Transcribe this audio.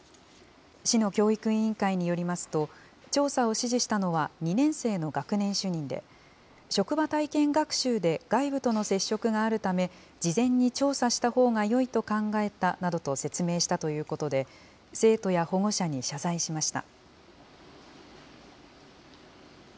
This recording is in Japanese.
市の教育委員会によりますと、調査を指示したのは２年生の学年主任で、職場体験学習で外部との接触があるため、事前に調査したほうがよいと考えたなどと説明したということで、生徒や保護者に謝罪しました。